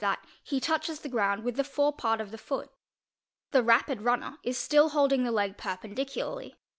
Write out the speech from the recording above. that, he touches the ground with the forepart of the foot. The rapi runner is still holding the le perpendicularly.